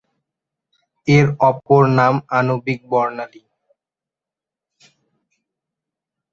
এর অপর নাম আণবিক বর্ণালি।